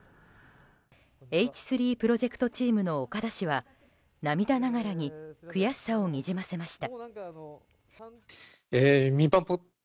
Ｈ３プロジェクトチームの岡田氏は涙ながらに悔しさをにじませました。